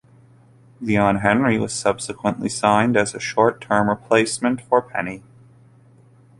Leon Henry was subsequently signed as a short-term replacement for Penney.